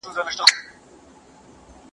د یوې قوتمنې ټولنې د جوړولو اساس دی.